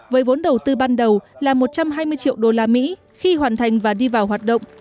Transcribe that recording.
với vốn đầu tư ban đầu là một trăm hai mươi triệu usd khi hoàn thành và đi vào hoạt động